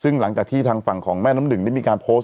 ซึ่งหลังจากที่ทางฝั่งของแม่น้ำหนึ่งได้มีการโพสต์